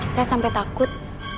saya sampe takut